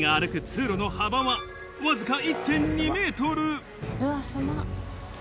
通路の幅はわずか１．２ｍ